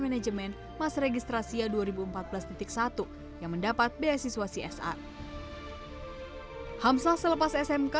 manajemen mas registrasi dua ribu empat belas satu yang mendapat biaya siswasi sa hamsa selepas smk